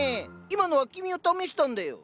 今のは君を試したんだよ。